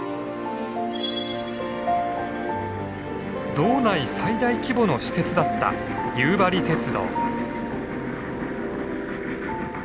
道内最大規模の私鉄だった夕張鉄道。